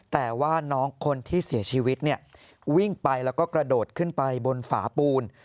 แต่ว่าน้องคนที่เสียชีวิตเนี่ยวิ่งไปแล้วก็กระโดดขึ้นไปบนฝาปูน